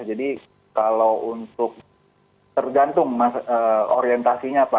jadi kalau untuk tergantung orientasinya apa